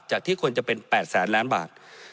ที่ควรจะเป็น๘แสนล้านบาท